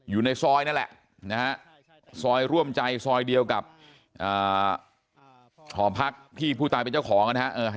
อยู่ในซอยนั่นแหละนะฮะซอยร่วมใจซอยเดียวกับหอพักที่ผู้ตายเป็นเจ้าของนะฮะ